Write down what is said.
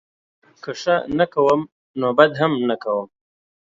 که ښه نه کوم نوبدهم نه کوم